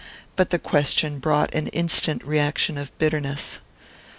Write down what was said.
But the question brought an instant reaction of bitterness.